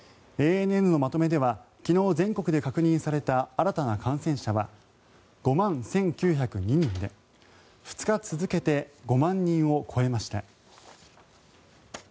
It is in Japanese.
ＡＮＮのまとめでは昨日、全国で確認された新たな感染者は５万１９０２人で２日続けて５万人を超えました。